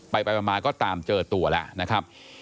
ไปมาก็ตามเจอตัวแล้วนะครับ